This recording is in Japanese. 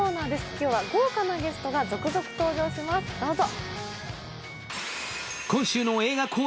今日は豪華なゲストが続々登場します、どうぞ。